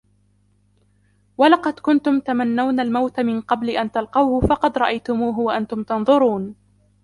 وَلَقَدْ كُنْتُمْ تَمَنَّوْنَ الْمَوْتَ مِنْ قَبْلِ أَنْ تَلْقَوْهُ فَقَدْ رَأَيْتُمُوهُ وَأَنْتُمْ تَنْظُرُونَ